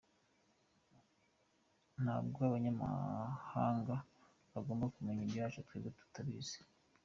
Ntabwo Abanyamahanga bagomba kumenya ibyacu twebwe tutabizi.